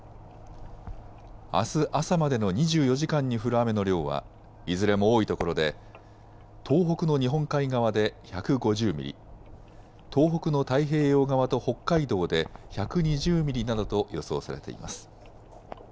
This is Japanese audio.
あす朝までの２４時間に降る雨の量はいずれも多いところで東北の日本海側で１５０ミリ、東北の太平洋側と北海道で１２０ミリなどと予想されています。